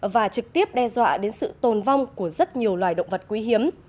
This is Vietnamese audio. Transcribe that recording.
và trực tiếp đe dọa đến sự tồn vong của rất nhiều loài động vật quý hiếm